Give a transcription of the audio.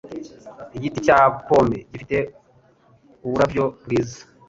Igiti cya pome gifite uburabyo bwiza.